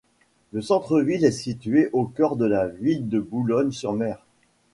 Le centre-ville est situé au cœur de la ville de Boulogne-sur-Mer.